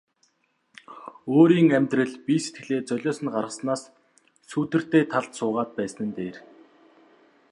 Өөрийн амьдрал бие сэтгэлээ золиосонд гаргаснаас сүүдэртэй талд суугаад байсан нь дээр.